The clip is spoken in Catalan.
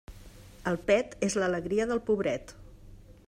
El pet és l'alegria del pobret.